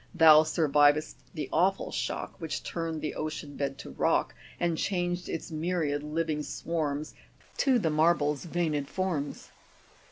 Thou surviv'dst the awful shock, Which turn'd the ocean bed to rock, And changed its myriad living swarms. To the marble's veined forms."